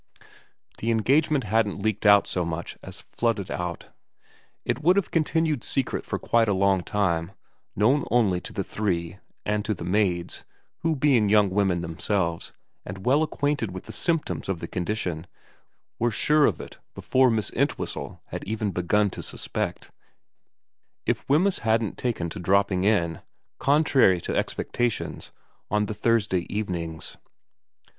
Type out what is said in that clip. The engagement hadn't leaked out so much as flooded out. It would have continued secret for quite a long time, known only to the three and to the maids who being young women themselves, and well ac quainted with the symptoms of the condition, were sure of it before Miss Entwhistle had even begun to 110 VERA XI suspect, if Wemyss hadn't taken to dropping in, contrary to expectations, on the Thursday evenings.